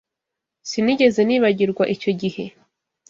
Sinigeze nibagirwa icyo gihe.